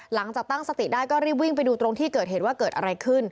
หลังจากตั้งสติได้ก็รีบวิ่งไปดูตรงที่เกิดเหตุว่าเกิดอะไรขึ้น